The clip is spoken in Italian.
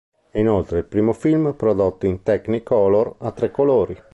È inoltre il primo film prodotto in Technicolor a tre colori.